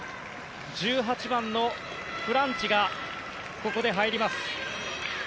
１８番のフランチがここで入ります。